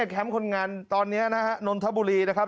แคมป์คนงานตอนนี้นะฮะนนทบุรีนะครับ